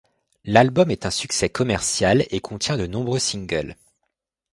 L'album est un succès commercial et contient de nombreux singles.